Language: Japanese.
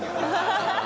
ハハハ